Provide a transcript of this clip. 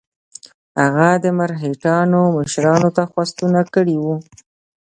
هغه د مرهټیانو مشرانو ته خواستونه کړي وه.